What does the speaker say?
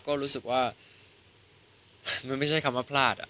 ก็รู้สึกว่ามันไม่ใช่คำว่าพลาด